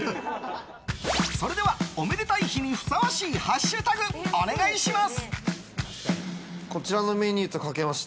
それでは、おめでたい日にふさわしいハッシュタグお願いします！